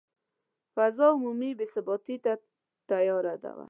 فضا عمومي بې ثباتي ته تیاره وه.